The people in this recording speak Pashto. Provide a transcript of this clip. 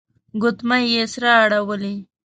ګوتمۍ يې سره اړولې.